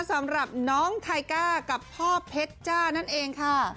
สำหรับน้องไทก้ากับพ่อเพชรจ้านั่นเองค่ะ